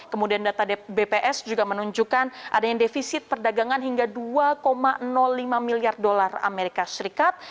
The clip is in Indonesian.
kemudian data bps juga menunjukkan adanya defisit perdagangan hingga dua lima miliar dolar amerika serikat